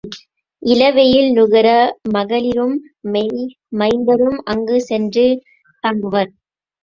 இளவெயில் நுகர மகளிரும் மைந்தரும் அங்குச் சென்று தங்குவர்.